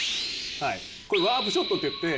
これワープショットっていって。